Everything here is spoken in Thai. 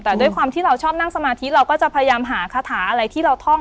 แต่ด้วยความที่เราชอบนั่งสมาธิเราก็จะพยายามหาคาถาอะไรที่เราท่อง